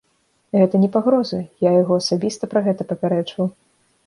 Гэта не пагроза, я яго асабіста пра гэта папярэджваў.